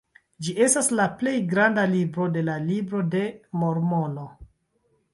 Ĝi estas la plej granda libro de la Libro de Mormono.